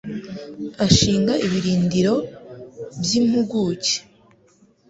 Ashinga ibirindiro by' impuguke